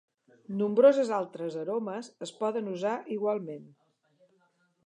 Nombroses altres aromes es poden usar igualment.